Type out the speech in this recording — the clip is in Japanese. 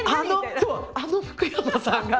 そうあの福山さんが。